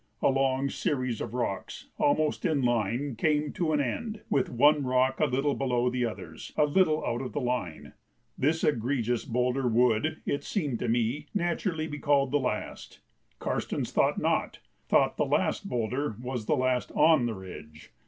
A long series of rocks almost in line came to an end, with one rock a little below the others, a little out of the line. This egregious boulder would, it seemed to me, naturally be called the last; Karstens thought not thought the "last boulder" was the last on the ridge.